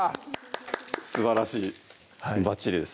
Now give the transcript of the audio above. すばらしいばっちりです